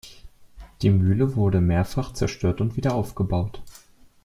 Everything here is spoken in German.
Die Mühle wurde mehrfach zerstört und wiederaufgebaut.